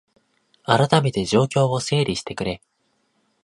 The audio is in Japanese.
あらためて状況を整理してくれ